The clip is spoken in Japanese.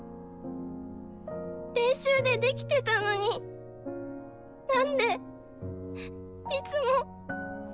練習でできてたのになんでいつも。